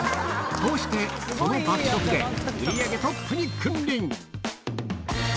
こうしてこの爆食で売り上げトップに君臨。